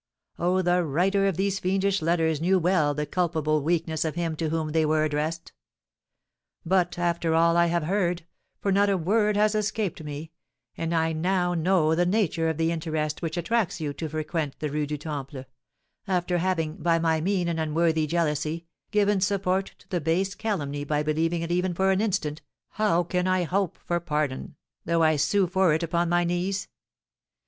Oh, the writer of these fiendish letters knew well the culpable weakness of him to whom they were addressed. But, after all I have heard, for not a word has escaped me, and I now know the nature of the interest which attracts you to frequent the Rue du Temple, after having, by my mean and unworthy jealousy, given support to the base calumny by believing it even for an instant, how can I hope for pardon, though I sue for it upon my knees?